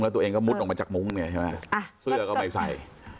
แล้วตัวเองก็มุดออกมาจากมุ้งเนี่ยใช่ไหมเสื้อก็ไม่ใส่